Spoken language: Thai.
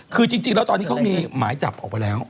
คือจริงแล้วตอนนี้เขามีหมายจับออกไปแล้ว